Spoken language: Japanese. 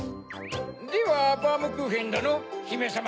ではバームクーヘンどのひめさま